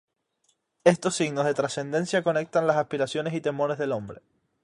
Estos signos de trascendencia conectan las aspiraciones y temores del hombre.